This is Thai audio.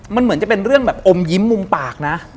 มันเหมือนจะเป็นเรื่องแบบอมยิ้มมุมปากนะ